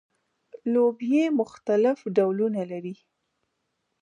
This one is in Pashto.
لوبیې مختلف ډولونه لري